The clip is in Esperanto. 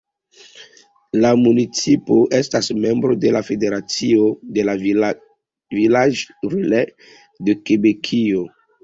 La municipo estas membro de la Federacio de la "Villages-relais" de Kebekio.